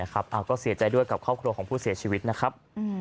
ก็เสียใจด้วยกับครอบครัวของผู้เสียชีวิตนะครับ